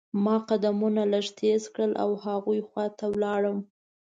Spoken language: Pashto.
ما قدمونه لږ تیز کړل او هغوی خوا ته لاړم.